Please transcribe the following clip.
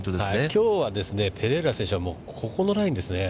きょうはペレイラ選手はここのラインですね。